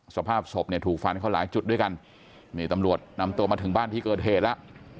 สภาพศพเนี่ยถูกฟันเขาหลายจุดด้วยกันนี่ตำรวจนำตัวมาถึงบ้านที่เกิดเหตุแล้ว